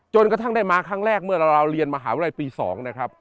กระทั่งได้มาครั้งแรกเมื่อเราเรียนมหาวิทยาลัยปี๒นะครับ